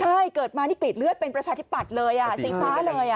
ใช่เกิดมานี่กรีดเลือดเป็นประชาธิปัตย์เลยสีฟ้าเลย